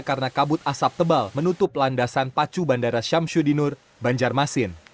karena kabut asap tebal menutup landasan pacu bandara syamsudinur banjarmasin